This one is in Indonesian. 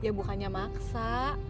ya bukannya maksa